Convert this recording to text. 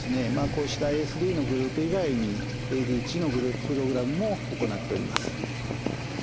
こうしたＡＳＤのグループ以外にＡＤＨＤのグループプログラムも行っております。